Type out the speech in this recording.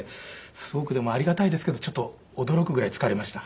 すごくでもありがたいですけどちょっと驚くぐらい疲れました。